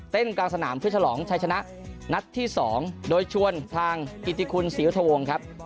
กลางสนามเพื่อฉลองชัยชนะนัดที่๒โดยชวนทางกิติคุณศรีวทวงครับ